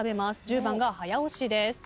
１０番が早押しです。